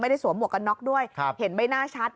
ไม่ได้สวมหัวกระน็อกด้วยเห็นไม่น่าชัด